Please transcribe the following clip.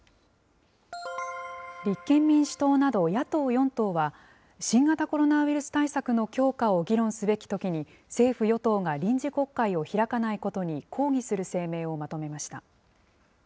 立憲民主党など野党４党は、新型コロナウイルス対策の強化を議論すべきときに、政府・与党が臨時国会を開かないことに抗議する声明をまとめました。